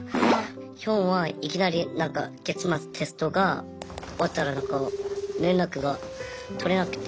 ヒョンはいきなり月末テストが終わったら連絡が取れなくて。